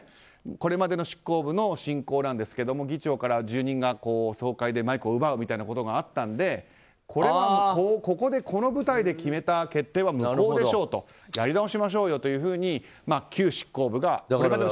これまでの執行部の進行なんですが議長から住人が総会でマイクを奪うみたいなことがあったのでここの舞台で決めた決定は無効でしょうとやり直しましょうというふうに旧執行部が。